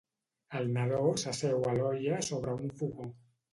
El nadó s'asseu a l'olla sobre un fogó.